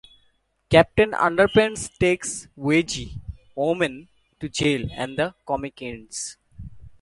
Captain Underpants takes Wedgie Woman to jail and the comic ends.